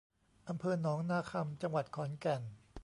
อำเภอหนองนาคำ จังหวัดขอนแก่น